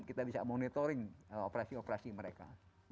kita bisa monitoring operasi operasi mereka